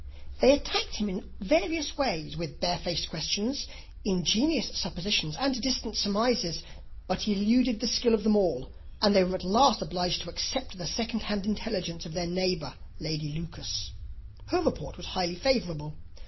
They attacked him in various ways, with barefaced questions, ingenious suppositions, and distant surmises; but he eluded the skill of them all; and they were at last obliged to accept the second hand intelligence of their neighbour, Lady Lucas. Her report was highly favourable.